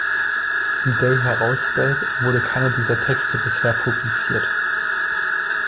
Wie Day herausstellt, wurde keiner dieser Texte bisher publiziert.